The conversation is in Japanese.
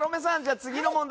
次の問題